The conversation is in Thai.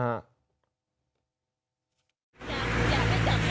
อยากได้จับได้ค่ะ